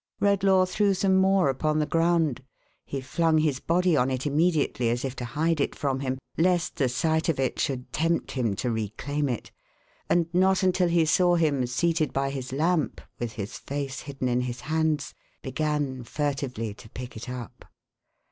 "" Redlaw threw some more upon the ground .~ He flung his body on it immediately, as if to hide it from him, lest the sight of it should tempt him to reclaim it; and not until he saw him seated by his lamp, with his face hidden in his hands, began furtively to pick it up.